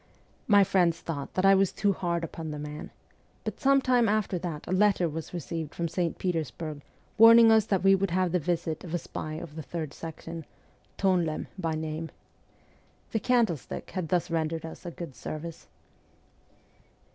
My friends thought that I was too hard upon the man, but some time after that a letter was WESTERN EUROPE 293 received from St. Petersburg warning us that we would have the visit of a spy of the Third Section Tohnlehm by name. The candlestick had thus rendered us a good service.